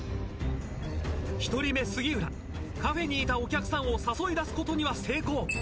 １人目杉浦カフェにいたお客さんを誘い出すことには成功。